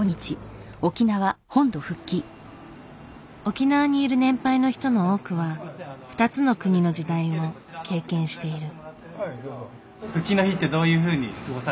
沖縄にいる年配の人の多くは２つの国の時代を経験している。